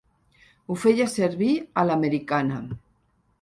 Ho feia servir a l'americana.